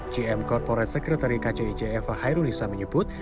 gm corporate secretary kcij eva hairunisa menyebut